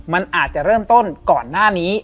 มันอาจจะเริ่มต้นก่อนหน้านี้